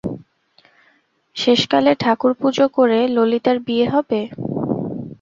শেষকালে ঠাকুরপুজো করে ললিতার বিয়ে হবে!